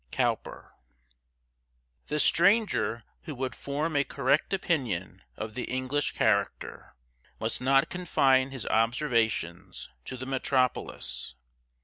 COWPER. THE stranger who would form a correct opinion of the English character, must not confine his observations to the metropolis.